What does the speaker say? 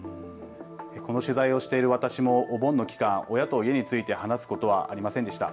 この取材をしている私もお盆の期間、親と家について話すことはありませんでした。